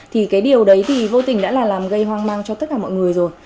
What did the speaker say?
thì cái điều đấy thì vô tình đã là làm gây hoang mang cho tất cả mọi người rồi